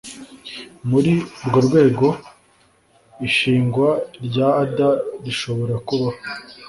ni muri urwo rwego ishingwa rya ada rishobora kubaho